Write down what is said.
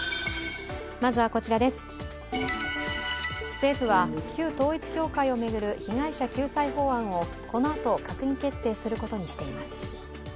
政府は旧統一教会を巡る被害者救済法案をこのあと閣議決定することにしています。